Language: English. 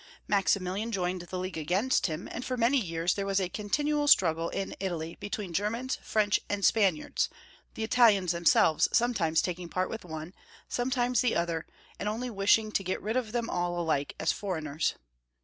Maximilian joined the league against him, and for many years there was 200 MaTtmilian. 261 a continual struggle in Itq^ between Germans, French, and Spaniards, the Italians themselves aometimes taking part ■with one, sometimes with the other, and only wishing to get rid of them a^ alike as foreigners.